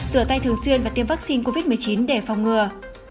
rửa tay thường xuyên và tiêm vaccine covid một mươi chín để phòng ngừa